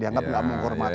dianggap tidak menghormati